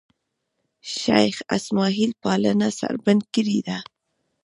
شېخ اسماعیل پالنه سړبن کړې ده.